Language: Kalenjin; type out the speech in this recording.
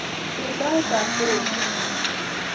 Kirindaet ab korotwek